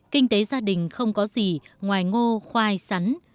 kinh tế gia đình không có gì ngoài ngô khoai sắn